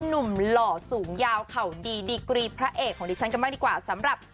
หล่อสูงยาวเข่าดีดีกรีพระเอกของดิฉันกันบ้างดีกว่าสำหรับ